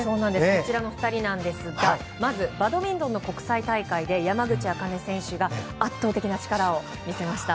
こちらの２人なんですがまず、バドミントンの国際大会で山口茜選手が圧倒的な力を見せました。